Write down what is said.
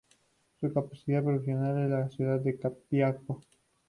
Su capital provincial es la ciudad de Copiapó.